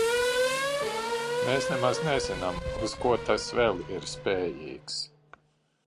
Mēs nemaz nezinām, uz ko tas vēl ir spējīgs.